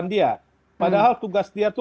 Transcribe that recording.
yang menyebabkan keadaan obat obatan